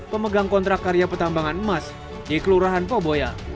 pemegang kontrak karya pertambangan emas di kelurahan poboya